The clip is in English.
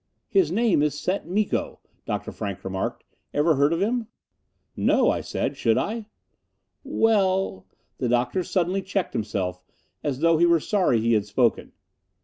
"His name is Set Miko," Dr. Frank remarked. "Ever heard of him?" "No," I said. "Should I?" "Well " The doctor suddenly checked himself, as though he were sorry he had spoken.